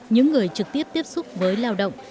những người trực tiếp tiếp xúc với lao động